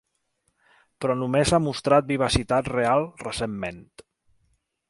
Però només ha mostrat vivacitat real recentment.